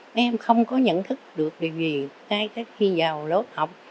mấy em không có nhận thức được điều gì ngay khi vào lớp học